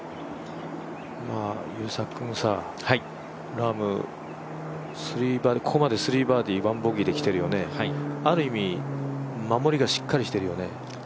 ラーム、ここまで３バーディー・１ボギーできてるよねある意味、守りがしっかりしてるよね。